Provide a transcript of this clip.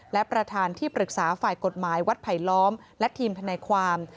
และประธานที่ปรึกษาฝ่ายกฎหมายวัดไผลล้อมและทีมทนายความ